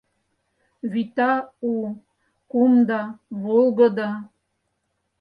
Вӱта у, кумда, волгыдо.